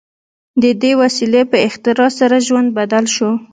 د دې وسیلې په اختراع سره ژوند بدل شو.